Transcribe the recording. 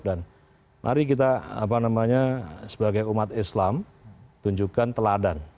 dan mari kita sebagai umat islam tunjukkan teladan